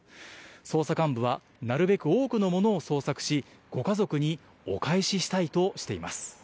捜査幹部は、なるべく多くのものを捜索し、ご家族にお返ししたいとしています。